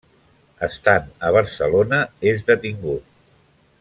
Estant a Barcelona és detingut.